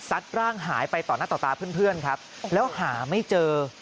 ร่างหายไปต่อหน้าต่อตาเพื่อนครับแล้วหาไม่เจอ